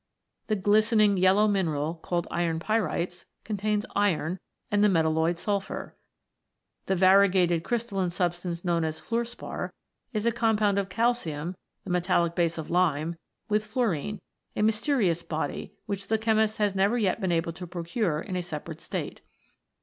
The glistening yellow mineral called iron pyrites, contains iron, and the metalloid sulphur. The variegated crystalline substance known as fluorspar, is a compound of calcium, the metallic base of lime, with Jluorine, a mysterious body which the chemist has never yet been able to pro cure in a separate state.